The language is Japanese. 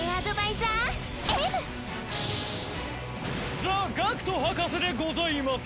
ザ・ガクト博士でございます！